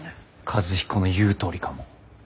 和彦の言うとおりかも。